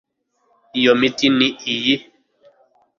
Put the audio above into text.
Iyo miti ni iyi